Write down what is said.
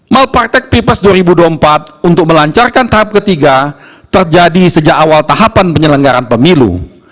malpraktek peoples dua ribu dua puluh empat untuk melancarkan tahap ketiga terjadi sejak awal tahapan penyelenggaran pemilu